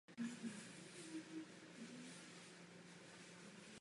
Odmítáme tento sociální balíček jako příliš abstraktní a zavádějící přístup.